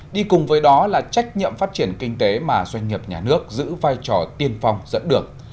đi cùng với đó là trách nhiệm phát triển kinh tế mà doanh nghiệp nhà nước giữ vai trò tiên phong dẫn được